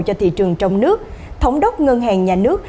cho thị trường trong nước thống đốc ngân hàng nhà nước